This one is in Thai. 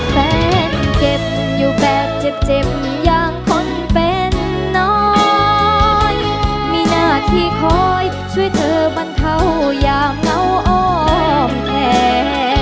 เก็บอยู่แบบเจ็บอย่างคนเป็นน้อยมีหน้าที่คอยช่วยเธอบรรเทายามเหงาอ้อมแพ้